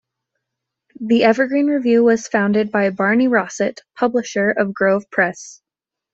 The "Evergreen Review" was founded by Barney Rosset, publisher of Grove Press.